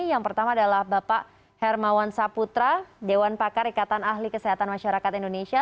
yang pertama adalah bapak hermawan saputra dewan pakar ikatan ahli kesehatan masyarakat indonesia